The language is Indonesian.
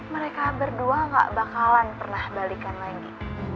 mereka berdua gak bakalan pernah balikan lagi